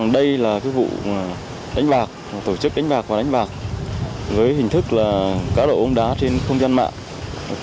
đây là vụ đánh bạc tổ chức đánh bạc và đánh bạc với hình thức cá độ bóng đá trên không gian mạng